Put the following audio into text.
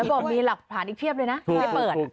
แล้วก็มีหลักผ่านอีกเทียบเลยนะที่ได้เปิด